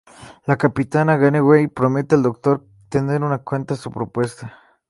La capitana Janeway promete al Doctor tener en cuenta su propuesta.